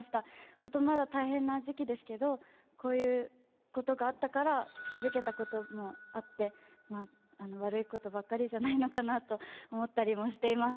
本当、まだ大変な時期ですけど、こういうことがあったから気付けたこともあって、悪いことばかりじゃないのかなと思ったりもしています。